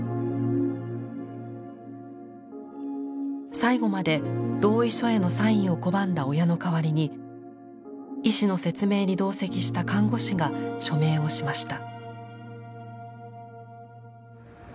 最後まで同意書へのサインを拒んだ親の代わりに医師の説明に同席した看護師が署名をしました。